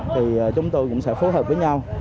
thì chúng tôi cũng sẽ phối hợp với nhau